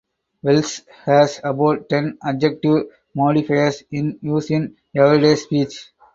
Welsh has about ten "adjective modifiers" in use in everyday speech.